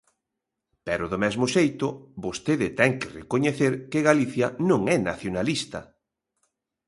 Pero do mesmo xeito vostede ten que recoñecer que Galicia non é nacionalista.